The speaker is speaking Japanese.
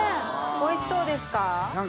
おいしそうですか？